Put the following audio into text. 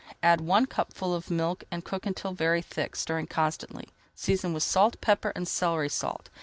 Add one cupful of milk and cook until very thick, stirring constantly. Season with salt, pepper, and celery salt.